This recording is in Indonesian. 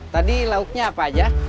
tadi lauknya apa aja